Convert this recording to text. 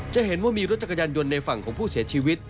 จะเห็นว่ามีรถจักรยานยนต์ในฝั่งของผู้เสียชีวิต